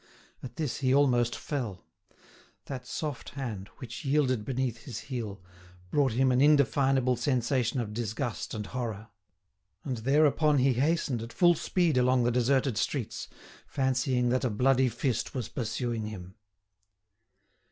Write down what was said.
At this he almost fell. That soft hand, which yielded beneath his heel, brought him an indefinable sensation of disgust and horror. And thereupon he hastened at full speed along the deserted streets, fancying that a bloody fist was pursuing him.